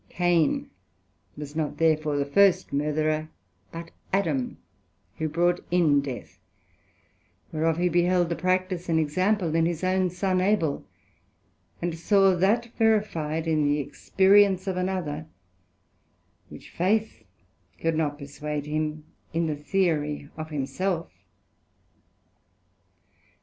Cain was not therefore the first Murtherer, but Adam, who brought in death; whereof he beheld the practice and example in his own son Abel, and saw that verified in the experience of another, which faith could not perswade him in the Theory of himself.